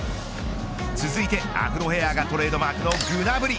続いてアフロヘアーがトレードマークのグナブリ。